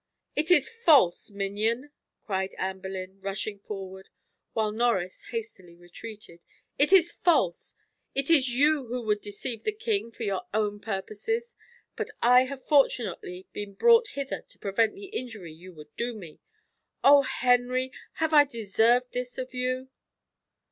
"It is false, minion!" cried Anne Boleyn, rushing forward, while Norris hastily retreated, "it is false! It is you who would deceive the king for your own purposes. But I have fortunately been brought hither to prevent the injury you would do me. Oh, Henry! have I deserved this of you?"